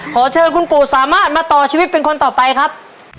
ขอเชิญคุณปู่สามารถมาต่อชีวิตเป็นคนต่อไปครับ